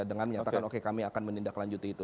dengan menyatakan oke kami akan menindaklanjuti itu